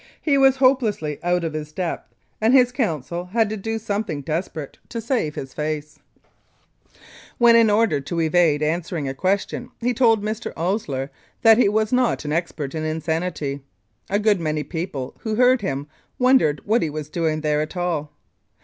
He was hopelessly out of his depth, and his counsel had to do something desperate to save his face. 219 Mounted Police Life in Canada When, in order to evade answering a question, he told Mr. Osier that he was "not an expert in insanity," a good many people who heard him wondered what he was doing there at all.